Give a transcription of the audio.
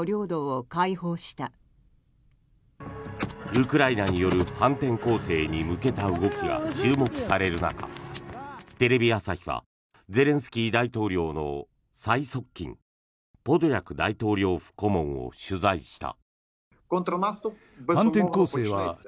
ウクライナによる反転攻勢に向けた動きが注目される中テレビ朝日はゼレンスキー大統領の最側近ポドリャク大統領府顧問を取材した。